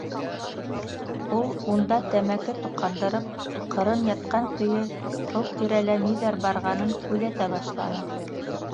Ул унда тәмәке тоҡандырып, ҡырын ятҡан көйө, был тирәлә ниҙәр барғанын күҙәтә башланы.